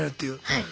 はい。